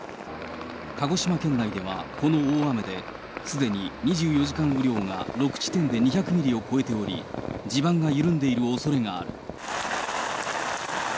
鹿児島県内では、この大雨ですでに２４時間雨量が６地点で２００ミリを超えており、地盤が緩んでいるおそれがある。